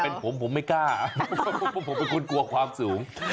เป็นผมผมไม่กล้าเพราะผมเป็นคนกลัวความสูง